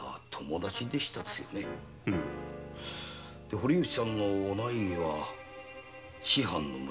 堀内さんのご内儀は師範の娘。